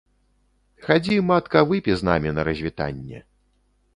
Хадзі, матка, выпі з намі на развітанне.